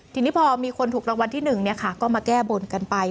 ทีนี้พอมีคนถูกรางวัลที่๑ก็มาแก้บนกันไป